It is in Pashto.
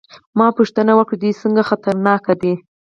ما پوښتنه وکړه چې دوی څنګه خطرناک دي